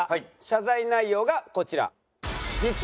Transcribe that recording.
謝罪内容がこちら。